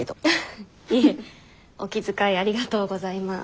いえお気遣いありがとうございます。